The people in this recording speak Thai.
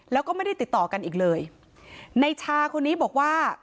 แล้วก็ไม่ได้ติดต่อกันอีกเลยในชาคนนี้บอกว่า